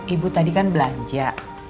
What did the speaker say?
ibu tadi kan belanja